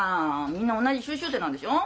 みんな同じ修習生なんでしょう？